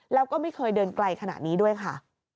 แล้วก็ไม่เคยเดินไกลขนาดนี้ด้วยค่ะ